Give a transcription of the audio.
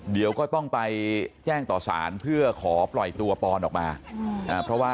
เดี๋ยวก็ต้องไปแจ้งต่อสารเพื่อขอปล่อยตัวปอนออกมาเพราะว่า